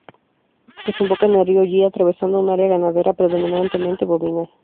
Desemboca en el río Yi, atravesando un área ganadera predominantemente bovina.